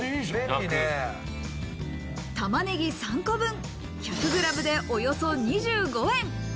玉ねぎ３個分、１００ｇでおよそ２５円。